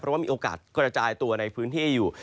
เพราะว่ามีโอกาสกระจายตัวในพื้นที่อยู่